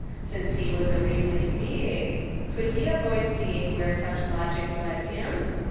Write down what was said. Since he was a reasoning being, could he avoid see ing where such logic led him?